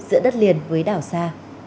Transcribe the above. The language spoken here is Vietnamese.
giữa đất liền với đảo sa